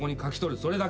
それだけ。